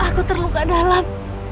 aku terluka dalam